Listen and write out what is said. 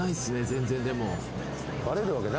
全然でも。